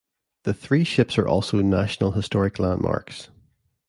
The three ships are also National Historic Landmarks.